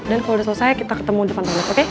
dan kalo udah selesai kita ketemu di pantai lo oke